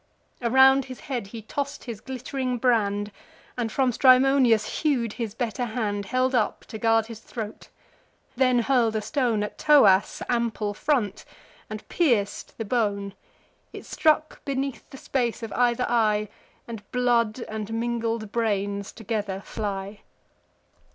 Around his head he toss'd his glitt'ring brand, And from Strymonius hew'd his better hand, Held up to guard his throat; then hurl'd a stone At Thoas' ample front, and pierc'd the bone: It struck beneath the space of either eye; And blood, and mingled brains, together fly.